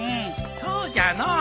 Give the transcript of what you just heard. そうじゃのう。